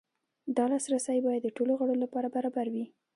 دا لاسرسی باید د ټولو غړو لپاره برابر وي.